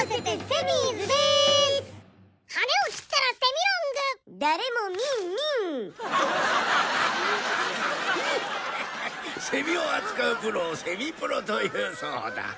セミを扱うプロをセミプロと言うそうだ。